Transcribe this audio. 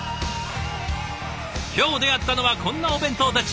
今日出会ったのはこんなお弁当たち。